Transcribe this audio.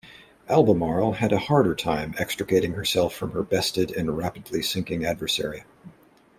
"Albemarle" had a harder time extricating herself from her bested and rapidly sinking adversary.